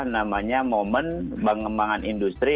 namanya momen pengembangan industri